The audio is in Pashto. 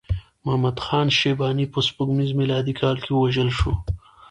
محمد خان شیباني په سپوږمیز میلادي کال کې ووژل شو.